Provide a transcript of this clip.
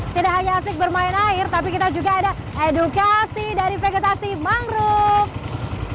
tidak hanya asik bermain air tapi kita juga ada edukasi dari vegetasi mangrove